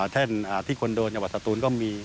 แท่นที่คนโดนจังหวัดสตูนก็มี